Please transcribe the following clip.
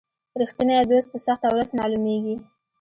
رښتینی دوست په سخته ورځ معلومیږي.